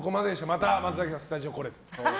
また、松崎さんスタジオに来れず。